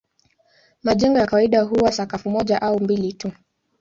Majengo ya kawaida huwa sakafu moja au mbili tu.